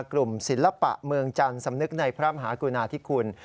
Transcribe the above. กลุ่มศิลปะเมืองจันทร์สำนึกในพระมหากรุณาธิคุณ